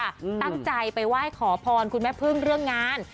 ตั้งใจไปไหว้ขอพรคุณแม่พึ่งเรื่องงาน